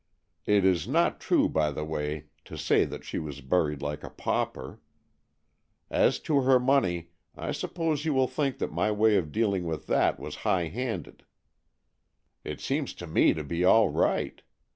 It is not true, by the way, to say that she w^as buried like a pauper. As to her money, I suppose you will think that my way of dealing with that was high handed. It seems to me to be all right.